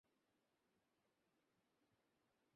কি আর বলবো, গাঙুবাই?